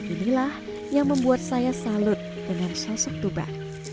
inilah yang membuat saya salut dengan sosok tuban